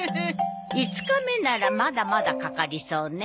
５日目ならまだまだかかりそうね。